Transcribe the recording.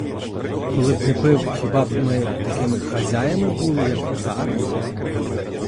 Коли б не пив, хіба б ми такими хазяями були, як зараз?